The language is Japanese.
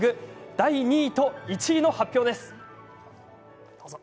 第２と１位の発表です。